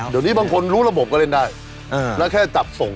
เดี๋ยวนี้บางคนรู้ระบบก็เล่นได้แล้วแค่จับส่ง